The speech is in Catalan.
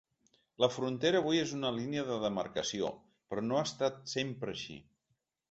La frontera avui és una línia de demarcació, però no ha estat sempre així.